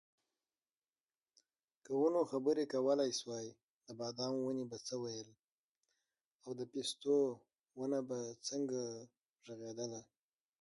که ونو خبرې کولی شوی نو د بادام ونې به څه ویل او د پستو ونه به څنګه غږیدله.